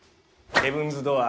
ヘブンズ・ドアー。